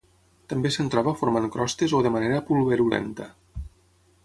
També se'n troba formant crostes o de manera pulverulenta.